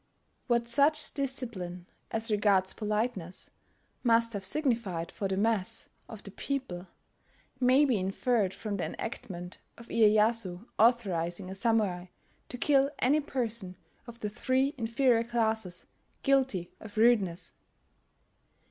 What such discipline, as regards politeness, must have signified for the mass of the people, may be inferred from the enactment of Iyeyasu authorizing a Samurai to kill any person of the three inferior classes guilty of rudeness.